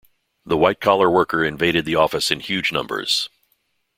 The white-collar worker invaded the office in huge numbers.